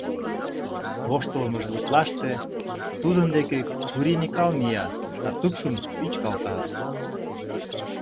Воштылмыж гутлаште тудын дек Кури Микал мия да тупшым вӱчкалта.